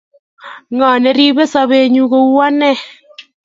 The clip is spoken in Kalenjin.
Ngo neribe sobenyi ku ane?